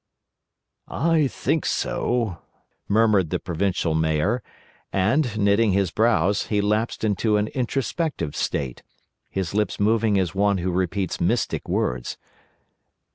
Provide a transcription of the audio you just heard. "I think so," murmured the Provincial Mayor; and, knitting his brows, he lapsed into an introspective state, his lips moving as one who repeats mystic words.